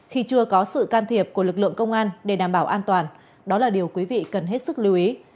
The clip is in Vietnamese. khi chưa có sự can thiệp của lực lượng công an để đảm bảo an toàn đó là điều quý vị cần hết sức lưu ý